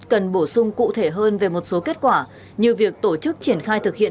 cần bổ sung cụ thể hơn về một số kết quả như việc tổ chức triển khai thực hiện